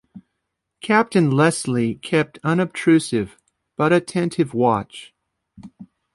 Captain Leslie kept unobtrusive, but attentive watch.